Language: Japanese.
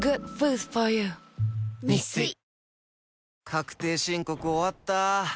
確定申告終わった。